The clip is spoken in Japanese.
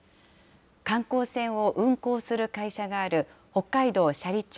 観光船を運航する会社がある北海道斜里町